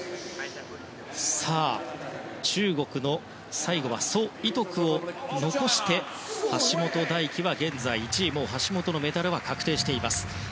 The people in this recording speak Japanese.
さあ、最後中国のソ・イトクを残して橋本大輝は現在、１位で橋本のメダルは確定しています。